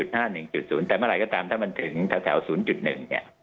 แต่เมื่อไหร่ก็ตามถ้ามันถึงแถว๐๑เนี่ย